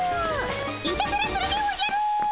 いたずらするでおじゃる！